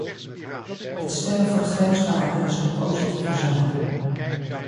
Het stellen van grenswaarden is een positieve zaak.